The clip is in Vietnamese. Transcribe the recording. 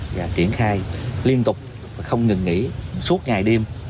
và triển khai liên tục không ngừng nghỉ suốt ngày đêm